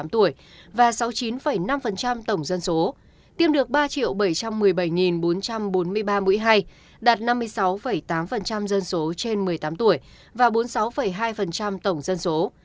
tám mươi tuổi và sáu mươi chín năm tổng dân số tiêm được ba bảy trăm một mươi bảy bốn trăm bốn mươi ba mũi hai đạt năm mươi sáu tám dân số trên một mươi tám tuổi và bốn mươi sáu hai tổng dân số